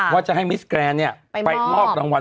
ว่าจะให้มิสแกรนด์ไปมอบรางวัล